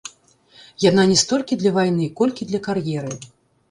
Яна не столькі для вайны, колькі для кар'еры.